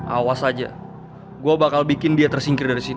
awas aja gue bakal bikin dia tersingkir dari sini